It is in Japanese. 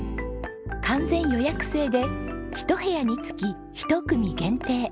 完全予約制で１部屋につき１組限定。